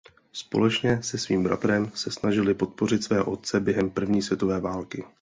Společně se svým bratrem se snažili podpořit svého otce během první světové války.